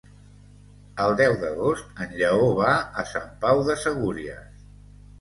El deu d'agost en Lleó va a Sant Pau de Segúries.